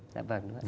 dạ vâng đúng rồi